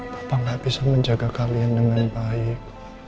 bapak gak bisa menjaga kalian dengan baik